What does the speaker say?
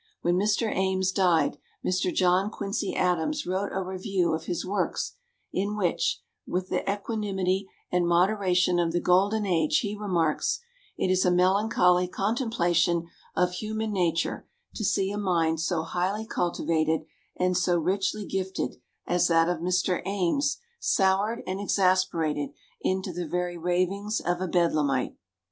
When Mr. Ames died, Mr. John Quincy Adams wrote a review of his works, in which, with the equanimity and moderation of the golden age, he remarks, "It is a melancholy contemplation of human nature to see a mind so highly cultivated and so richly gifted as that of Mr. Ames soured and exasperated into the very ravings of a bedlamite."